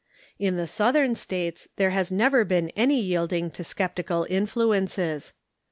In the Southern States there has never been any yielding to sceptical influences.